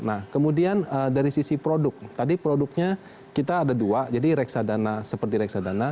nah kemudian dari sisi produk tadi produknya kita ada dua jadi reksadana seperti reksadana